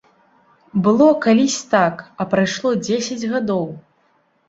Было калісь так, а прайшло дзесяць гадоў!